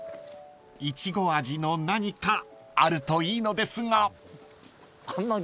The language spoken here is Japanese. ［イチゴ味の何かあるといいのですが］